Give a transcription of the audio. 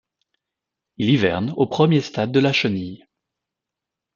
Il hiverne au premier stade de la chenille.